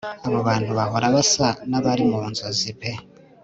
abo bantu bahora basa n abari mu nzozi pee